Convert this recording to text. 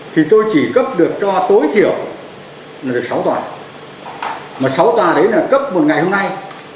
thì tôi chỉ cấp được cho tối thiểu là được sáu tòa mà sáu tòa đấy là cấp một ngày hôm nay